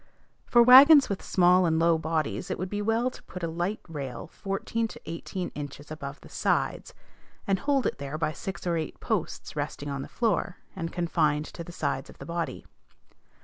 For wagons with small and low bodies, it would be well to put a light rail fourteen to eighteen inches above the sides, and hold it there by six or eight posts resting on the floor, and confined to the sides of the body.